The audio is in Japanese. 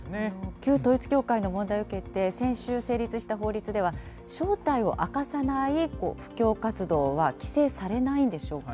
旧統一教会の問題を受けて、先週、成立した法律では、正体を明かさない布教活動は規制されないんでしょうか。